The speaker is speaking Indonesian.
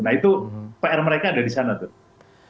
nah itu pr mereka ada di sana tuh